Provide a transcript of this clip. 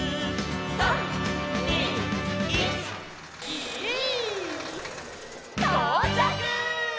「３、２、１、ギィー」とうちゃく！